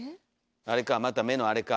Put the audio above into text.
あれかまた目のあれか。